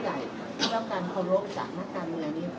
ว่ามันจะต้นกับค่าครับนายมรึไหมครับ